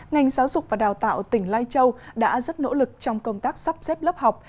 ngành giáo dục và đào tạo tỉnh lai châu đã rất nỗ lực trong công tác sắp xếp lớp học